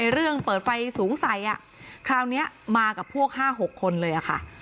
เรื่องเปิดไฟสูงใสคราวนี้มากับพวก๕๖คนเลยค่ะ